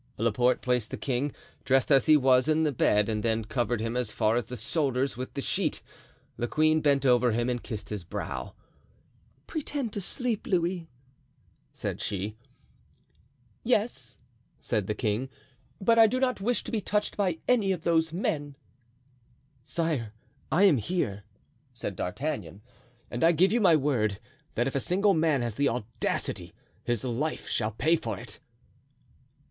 Laporte placed the king, dressed as he was, in the bed and then covered him as far as the shoulders with the sheet. The queen bent over him and kissed his brow. "Pretend to sleep, Louis," said she. "Yes," said the king, "but I do not wish to be touched by any of those men." "Sire, I am here," said D'Artagnan, "and I give you my word, that if a single man has the audacity, his life shall pay for it."